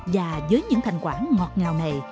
và với những thành quản ngọt ngào này